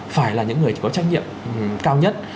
phải là những người có trách nhiệm cao nhất